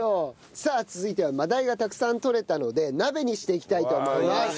さあ続いてはマダイがたくさん取れたので鍋にしていきたいと思います。